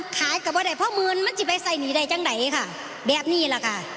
ขายก็ไม่ได้เพราะหมื่นมันจะไปใส่หนี้ได้จังไหนค่ะแบบนี้แหละค่ะ